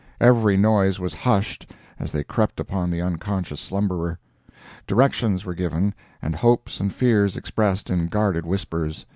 Every noise was hushed as they crept upon the unconscious slumberer. Directions were given and hopes and fears expressed in guarded whispers.